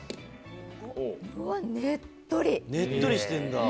うわっ、ねっとり。